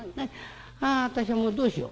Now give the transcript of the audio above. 「ああ私はもうどうしよう」。